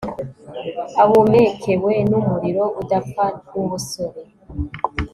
Ahumekewe numuriro udapfa wubusore